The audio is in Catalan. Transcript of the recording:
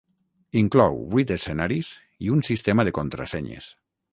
Inclou vuit escenaris i un sistema de contrasenyes.